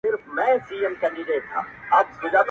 خو احمق سلطان جامې نه وې ليدلي!.